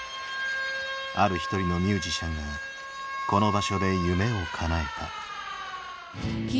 ある一人のミュージシャンがこの場所で夢をかなえた。